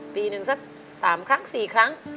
ปีนึงสักสามครั้งสี่ครั้ง